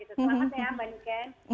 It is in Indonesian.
semangat ya mbak niken